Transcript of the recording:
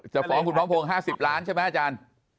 ฟ้องคุณพร้อมพงศ์๕๐ล้านใช่ไหมอาจารย์